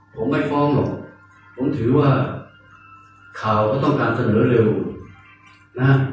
ผมไม่ฟ้องหรอกผมถือว่าข่าวก็ต้องการเสนอเร็วนะ